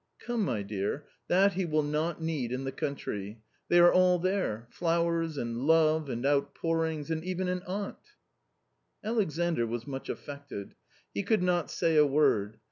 " Come, my dear, that he will not need in the country ; they are all there : flowers, and love, and outpourings, and even an aunt." Alexandr was much affected ; he could not say a word.